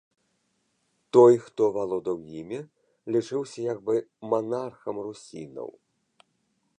Той, хто валодаў імі, лічыўся як бы манархам русінаў.